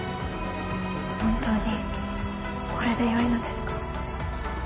本当にこれでよいのですか。